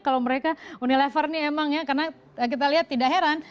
kalau mereka unilever ini emang ya karena kita lihat tidak heran